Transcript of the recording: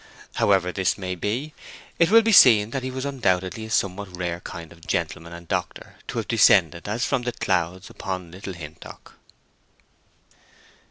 However this may be, it will be seen that he was undoubtedly a somewhat rare kind of gentleman and doctor to have descended, as from the clouds, upon Little Hintock.